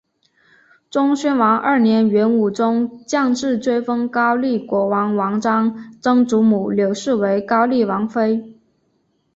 忠宣王二年元武宗降制追封高丽国王王璋曾祖母柳氏为高丽王妃。